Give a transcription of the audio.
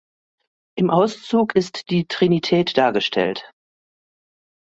Im Auszug ist die Trinität dargestellt.